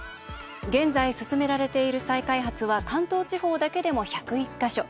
現在、進められている再開発は関東地方だけでも１０１か所。